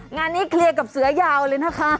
งานนี้เคลียร์กับเสือยาวเลยนะคะ